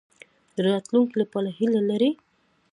د راتلونکي لپاره هیله لرئ؟